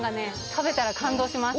食べたら感動します